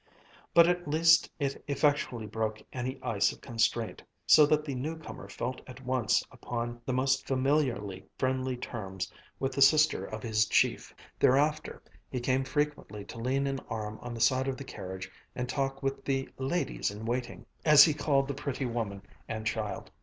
But at least it effectually broke any ice of constraint, so that the new comer felt at once upon the most familiarly friendly terms with the sister of his chief. Thereafter he came frequently to lean an arm on the side of the carriage and talk with the "ladies in waiting," as he called the pretty woman and child.